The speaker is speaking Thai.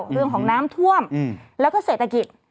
เรื่องของน้ำท่วมแล้วก็เศรษฐกิจ